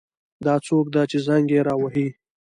دا څوک ده چې زنګ یې را وهي